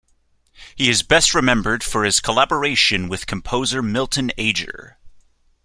He is best remembered for his collaboration with composer Milton Ager.